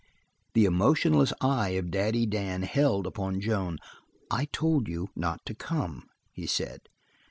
The emotionless eye of "Daddy Dan" held upon Joan. "I told you not to come," he said.